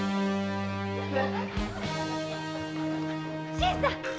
新さん！